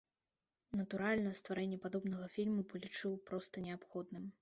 Натуральна, стварэнне падобнага фільму палічыў проста неабходным.